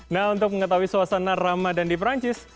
nah untuk mengetahui suasana ramadan di perancis